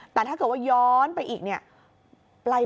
แต่ถ้าเกิดว่าย้อนไปอีกเนี่ย